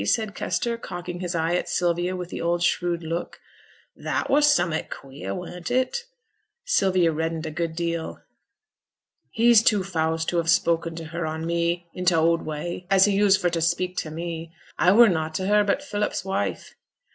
said Kester, cocking his eye at Sylvia with the old shrewd look. 'That were summut queer, weren't it?' Sylvia reddened a good deal. 'He's too fause to have spoken to her on me, in t' old way, as he used for t' speak to me. I were nought to her but Philip's wife.'